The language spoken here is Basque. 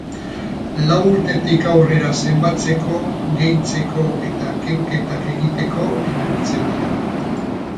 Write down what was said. Lau urtetik aurrera zenbatzeko, gehitzeko eta kenketak egiteko erabiltzen dira.